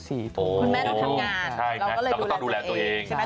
คุณแม่ต้องทำงานเราก็ต้องดูแลตัวเอง